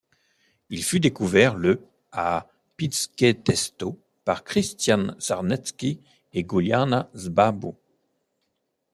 Il fut découvert le à Piszkesteto par Krisztián Sárneczky et Gyula Szabó.